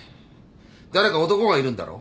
誰か男がいるんだろ？